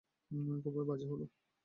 খুবই বাজে হলো।